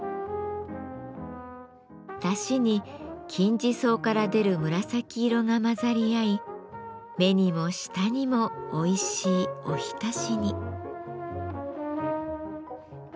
だしに金時草から出る紫色が混ざり合い目にも舌にもおいしいおひたしに。